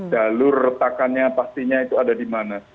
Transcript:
jalur retakannya pastinya itu ada di mana